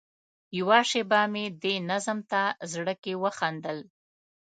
یوه شېبه مې دې نظم ته زړه کې وخندل.